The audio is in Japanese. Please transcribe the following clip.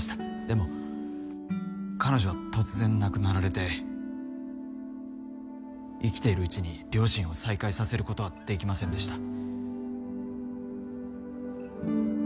でも彼女は突然亡くなられて生きているうちに両親を再会させることはできませんでした。